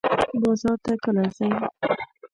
بازار ته کله ځئ؟